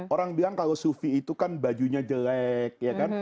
orang bilang kalau sufi itu kan bajunya jelek ya kan